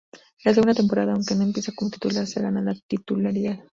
En la segunda temporada, aunque no empieza como titular, se gana la titularidad.